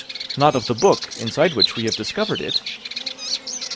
not of the book, inside which we have discovered it?"